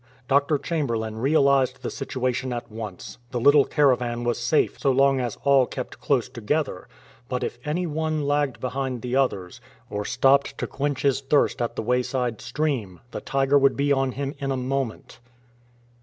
Dr. Chamberlain realized the situation at once. The little caravan was safe so long as all kept close together, but if any one lagged behind the others, or stopped to quench his thirst at the wayside stream, the tiger would be on him in a moment.